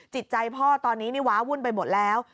จิตใจพ่อตอนนี้นี่ว้าวุ่นไปหมดแล้ว